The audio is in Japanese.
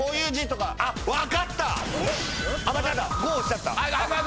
あっ分かった！